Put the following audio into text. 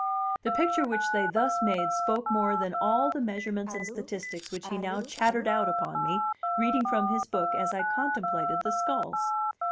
The picture which they thus made spoke more than all the measurements and statistics which he now chattered out upon me, reading from his book as I contemplated the skulls.